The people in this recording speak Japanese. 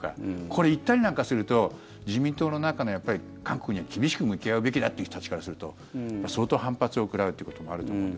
これに行ったりなんかすると自民党の中の韓国には厳しく向き合うべきだという人たちからすると相当反発を食らうっていうこともあると思う。